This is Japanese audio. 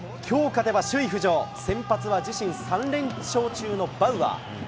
きょう勝てば首位浮上、先発は自身３連勝中のバウアー。